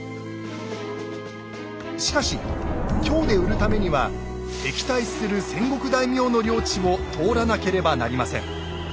しかし京で売るためには敵対する戦国大名の領地を通らなければなりません。